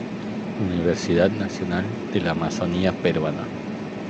Universidad Nacional de la Amazonía Peruana.